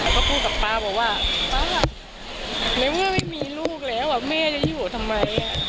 ก็พูดกับป๊าบอกว่าป๊าในเมื่อไม่มีลูกแล้วแม่จะอยู่ทำไม